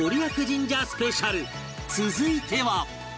続いては